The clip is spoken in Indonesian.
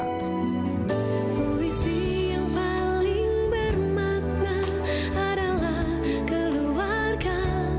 puisi yang paling bermakna adalah keluarga